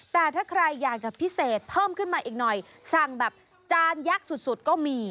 แต่ถ้าใครอยากจะพิเศษเพิ่มขึ้นมาอีกหน่อยสั่งแบบจานยักษ์สุดก็มี